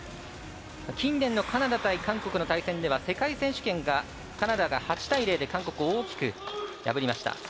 近年のカナダ対韓国の対戦では世界選手権がカナダが８対０で大きく破りました。